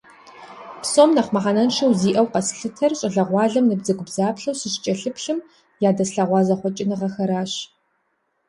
Псом нэхъ мыхьэнэшхуэ зиӏэу къэслъытэр, щӏалэгъуалэм набдзэгубдзаплъэу сыщыкӏэлъыплъым, ядэслъэгъуа зэхъуэкӏыныгъэхэращ.